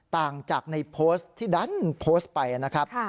ต่างจากในโพสต์ที่ดันโพสต์ไปนะครับ